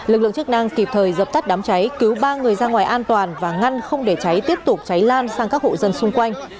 lực lượng chức năng kịp thời dập tắt đám cháy cứu ba người ra ngoài an toàn và ngăn không để cháy tiếp tục cháy lan sang các hộ dân xung quanh